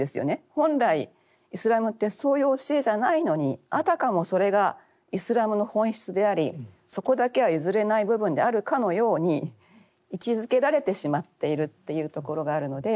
本来イスラムってそういう教えじゃないのにあたかもそれがイスラムの本質でありそこだけは譲れない部分であるかのように位置づけられてしまっているというところがあるので。